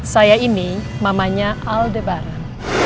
saya ini mamanya aldebaran